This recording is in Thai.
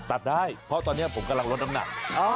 ตัดได้เพราะตอนนี้ผมกำลังลดน้ำหนัก